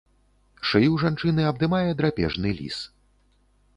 Шыю жанчыны абдымае драпежны ліс.